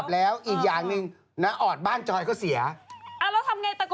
แล้วทำไงตะโกนเรียก